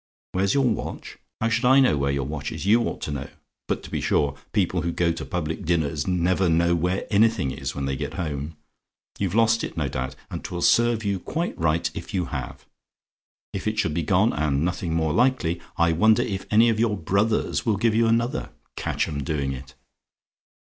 "WHERE'S YOUR WATCH? "How should I know where your watch is? You ought to know. But to be sure, people who go to public dinners never know where anything is when they come home. You've lost it, no doubt; and 'twill serve you quite right if you have. If it should be gone and nothing more likely I wonder if any of your 'brothers' will give you another? Catch 'em doing it.